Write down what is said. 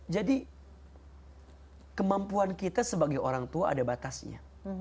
jadi kemampuan kita sebagai orang tua ada batasnya